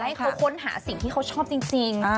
ให้เขาค้นหาสิ่งที่เขาชอบจริง